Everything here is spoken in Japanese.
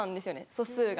素数が。